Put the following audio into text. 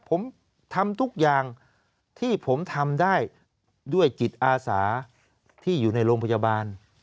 ผมทำทุกอย่างที่ผมทำได้ด้วยจิตอาสาที่อยู่ในโรงพยาบาล